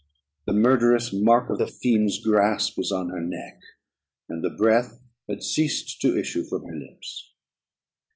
The murderous mark of the fiend's grasp was on her neck, and the breath had ceased to issue from her lips.